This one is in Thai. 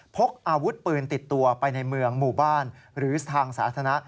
พกอาวุธปืนติดตัวไปในเมืองหมู่บ้านหรือทางสาธารณะ